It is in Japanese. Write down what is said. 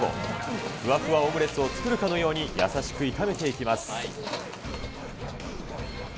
ふわふわオムレツを作るかのように優しく炒めていきます。